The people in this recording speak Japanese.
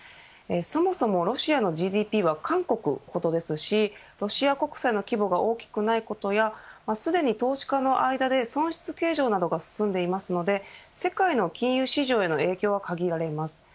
そもそもロシアのＧＤＰは韓国ほどですしロシア国債の規模が大きくないことやすでに投資家の間で損失計上などが進んでいますので世界の金融市場への影響は限られます。